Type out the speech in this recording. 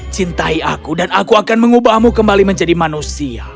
cintai aku dan aku akan mengubahmu kembali menjadi manusia